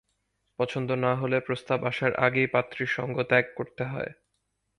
পছন্দ না হলে প্রস্তাব আসার আগেই পাত্রীর সঙ্গ ত্যাগ করতে হয়।